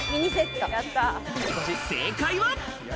正解は。